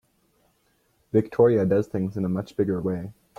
Victoria does things in a much bigger way.